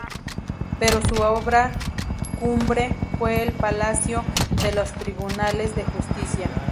Pero su obra cumbre fue el Palacio de los Tribunales de Justicia.